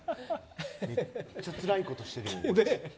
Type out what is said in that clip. めっちゃつらいことしてるやん。